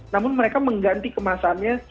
namun mereka mengganti kemasannya